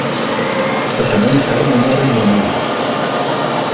E tamén estaremos no Reino Unido.